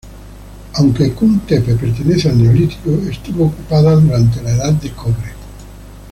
Aunque Kum Tepe pertenece al Neolítico, estuvo ocupada durante la Edad de Cobre.